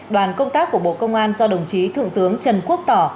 đoàn công tác của bộ công an do đồng chí thượng tướng trần quốc tỏ